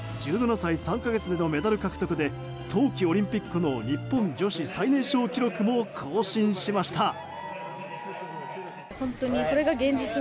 １７歳３か月のメダル獲得で冬季オリンピックの日本女子最年少記録も更新しました。